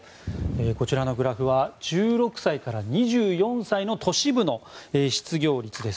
こちらのグラフは１６歳から２４歳の都市部の失業率です。